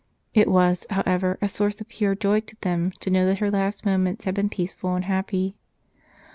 It was, however, a source of pure joy to them to know that her last moments had been peaceful and happy.